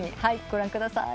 ご覧ください。